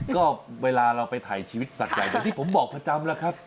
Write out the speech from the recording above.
ก็เวลาเราไปถ่ายชีวิตสัตว์ใหญ่อย่างที่ผมบอกประจำแล้วครับ